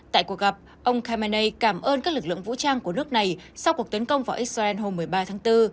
tại cuộc gặp ông kamenei cảm ơn các lực lượng vũ trang của nước này sau cuộc tấn công vào israel hôm một mươi ba tháng bốn